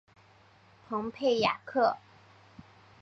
蓬佩雅克。